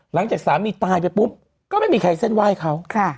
หลังจากสามีตายไปปุ๊บก็ไม่มีใครเส้นไหว้เขา